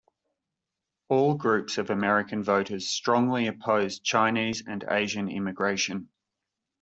All groups of American voters strongly opposed Chinese and Asian immigration.